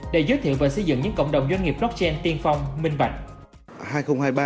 để giới thiệu và xây dựng những cộng đồng doanh nghiệp blockchain tiên phong minh bạch